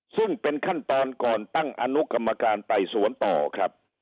ซึ่งเป็นขั้นตอนก่อนตั้งอนุกรรมการไต่สวนต่อครับ